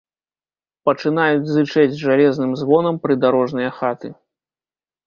Пачынаюць зычэць жалезным звонам прыдарожныя хаты.